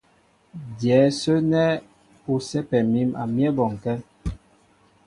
Dyɛ̌ ásə́ nɛ́ ú sɛ́pɛ mǐm a myɛ́ bɔnkɛ́.